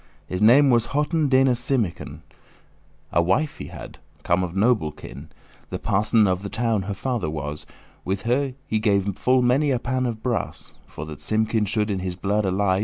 His name was *hoten deinous Simekin* *called "Disdainful Simkin"* A wife he hadde, come of noble kin: The parson of the town her father was. With her he gave full many a pan of brass, For that Simkin should in his blood ally.